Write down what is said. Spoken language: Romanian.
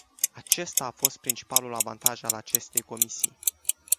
Acesta a fost principalul avantaj al acestei comisii.